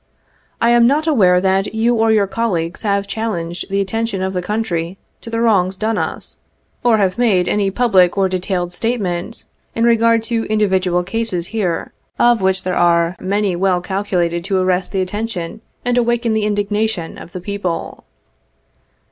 I am not aware that you or your colleagues have chal lenged the attention of the country to the wrongs done us, or have made any public or detailed statement in regard to individual cases here, of which there are many well calculated to arrest the attention and awaken the indignation of the people.